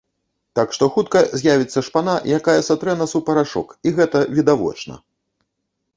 Так што, хутка з'явіцца шпана, якая сатрэ нас у парашок, і гэта відавочна!